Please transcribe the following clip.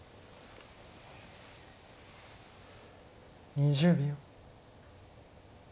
２０秒。